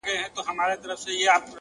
حوصله د سختو حالاتو رڼا ده!